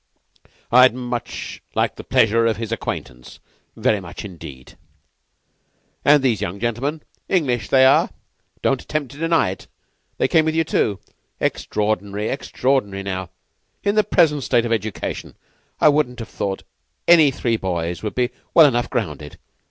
I'd much like the pleasure of his acquaintance. Very much, indeed. And these young gentlemen? English they are. Don't attempt to deny it. They came up with you, too? Extraordinary! Extraordinary, now! In the present state of education I shouldn't have thought any three boys would be well enough grounded.